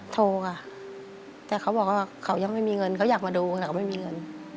โทรค่ะแต่เขาบอกว่าเขายังไม่มีเงินเขาอยากมาดูแต่เขาไม่มีเงิน